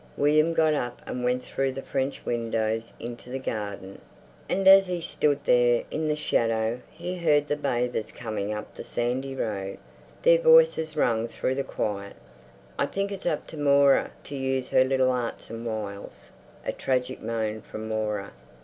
William got up and went through the French windows into the garden, and as he stood there in the shadow he heard the bathers coming up the sandy road; their voices rang through the quiet. "I think its up to Moira to use her little arts and wiles." A tragic moan from Moira.